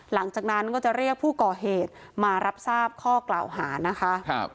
หลังจากนั้นก็จะเรียกผู้ก่อเหตุมารับทราบข้อกล่าวหานะคะ